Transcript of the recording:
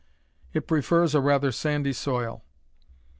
It prefers a rather sandy soil.